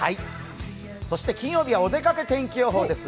そして金曜日はお出かけ天気予報です。